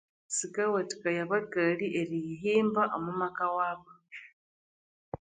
Sikawathikaya abakali eriyihimba omu maka wabo